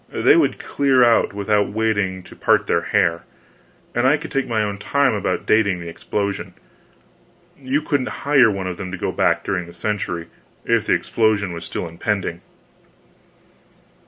They would clear out without waiting to part their hair, and I could take my own time about dating the explosion. You couldn't hire one of them to go back during the century, if the explosion was still impending.